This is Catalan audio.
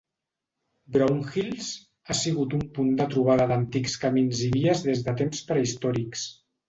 Brownhills ha sigut un punt de trobada d'antics camins i vies des de temps prehistòrics.